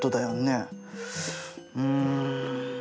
うん。